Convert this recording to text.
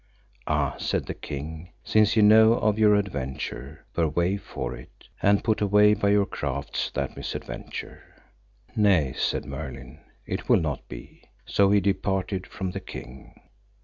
Ah, said the king, since ye know of your adventure, purvey for it, and put away by your crafts that misadventure. Nay, said Merlin, it will not be; so he departed from the king.